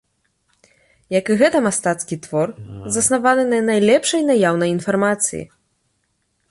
Як і гэта мастацкі твор, заснаваны на найлепшай наяўнай інфармацыі.